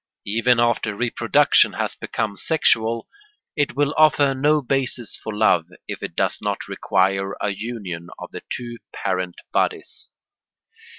Even after reproduction has become sexual, it will offer no basis for love if it does not require a union of the two parent bodies.